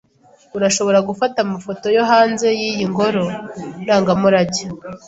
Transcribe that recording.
Urashobora gufata amafoto yo hanze yiyi ngoro ndangamurage,